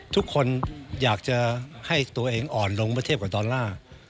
ทุกคนอยากจะให้ตัวเองอ่อนลงประเทศกว่าดอลลาร์